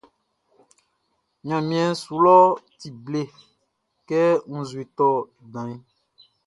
Ɲanmiɛn su lɔʼn ti ble kɛ nzueʼn tɔ danʼn.